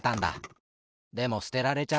でもすてられちゃって。